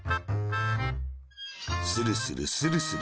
スルスル、スルスル。